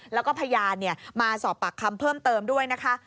แล้วก็พยานมาสอบปากคำเพิ่มเติมด้วยนะคะ